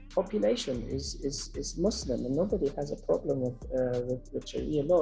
populasi afgan adalah muslim dan tidak ada masalah dengan syariat islam